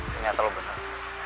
ternyata lo bener